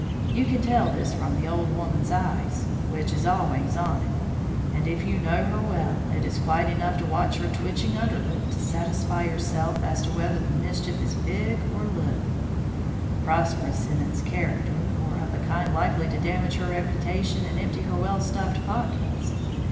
You can tell this from the old woman's eye, which is always on it; and, if you know her well, it is quite enough to watch her twitching underlip to satisfy yourself as to whether the mischief is big or little; prosperous in its character, or of a kind likely to damage her reputation and empty her well stuffed pockets.